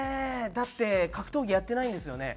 だって格闘技やってないんですよね？